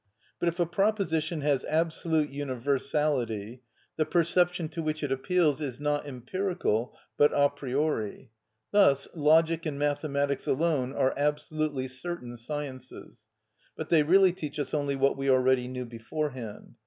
But if a proposition has absolute universality, the perception to which it appeals is not empirical but a priori. Thus Logic and Mathematics alone are absolutely certain sciences; but they really teach us only what we already knew beforehand.